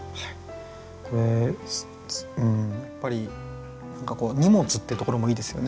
これやっぱり「荷物」ってところもいいですよね。